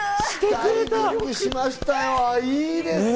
あぁいいですね。